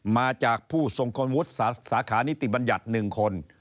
มาจากผู้ทรงคุณวุฒิสาขานิติบัญญัติ๑คน